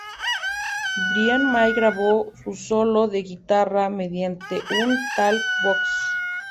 Brian May grabó su solo de guitarra mediante un talk box.